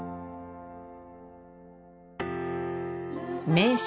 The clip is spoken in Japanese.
名所